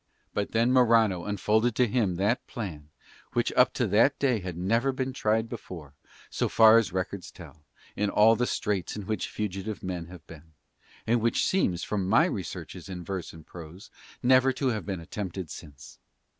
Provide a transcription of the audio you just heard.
But then Morano unfolded to him that plan which up to that day had never been tried before, so far as records tell, in all the straits in which fugitive men have been; and which seems from my researches in verse and prose never to have been attempted since.